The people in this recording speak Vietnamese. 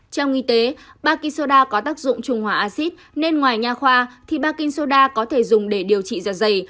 trong y tế baking soda có tác dụng trung hòa acid nên ngoài nhà khoa thì baking soda có thể dùng để điều trị giật dày